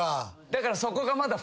だからそこがまだ。